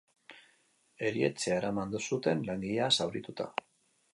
Erietxea eraman zuten langilea zaurituta.